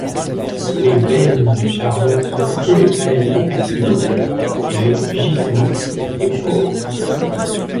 Les veines de charbon sont peu épaisses et accidentées, et le gisement est pauvre.